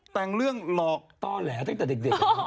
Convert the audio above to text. แต่งเรื่องหลอกต้อแหลตั้งแต่เด็ก